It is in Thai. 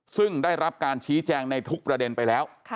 ซึ่งได้รับการชี้แจงในทุกประเด็นไปแล้ว